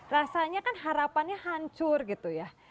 rasanya kan harapannya hancur gitu ya